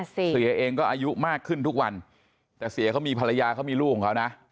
เสียเองก็อายุมากขึ้นทุกวันแต่เสียเขามีภรรยาเขามีลูกของเขานะ